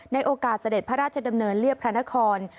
โอกาสเสด็จพระราชดำเนินเรียบพระนคร